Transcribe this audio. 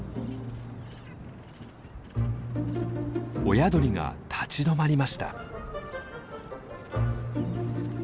親鳥が立ち止まりました。